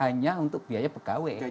hanya untuk biaya pkw